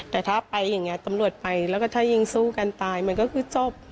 แต่ถ้าไปอย่างนี้ตำรวจไปแล้วก็ถ้ายิงสู้กันตายมันก็คือจบ